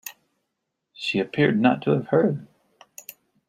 She appeared not to have heard.